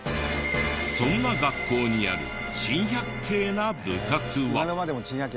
そんな学校にある珍百景な部活は？